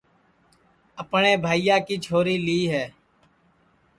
اپٹؔے بھائیا کی چھوری لی ہے